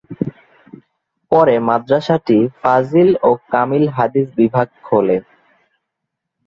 পরে মাদরাসাটি ফাযিল ও কামিল হাদীস বিভাগ খোলে।